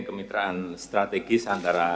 dan kemitraan strategis antara